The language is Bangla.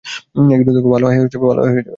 ভালো আয় হয়ে যাবে।